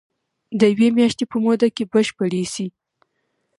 د يوې مياشتي په موده کي بشپړي سي.